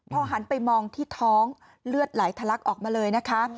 พอหันไปมองที่ท้องเลือดไหลทะลักออกมาเลยนะคะ